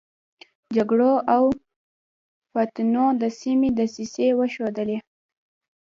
جګړو او فتنو د سيمې دسيسې وښودلې.